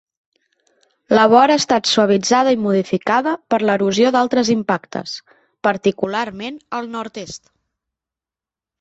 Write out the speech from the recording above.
La vora ha estat suavitzada i modificada per l'erosió d'altres impactes, particularment al nord-est.